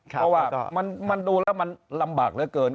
เพราะว่ามันดูแล้วมันลำบากเหลือเกิน